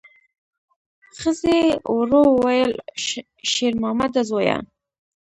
ښځې ورو وویل: شېرمامده زویه!